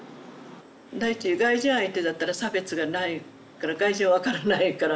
第一外人相手だったら差別がないから外人は分からないから。